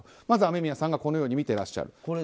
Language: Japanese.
まず雨宮さんはこのようにみていらっしゃる。